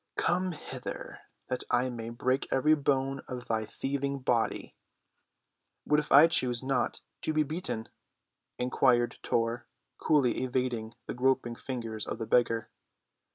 "Come hither, that I may break every bone of thy thieving body!" "What if I choose not to be beaten?" inquired Tor, coolly evading the groping fingers of the beggar.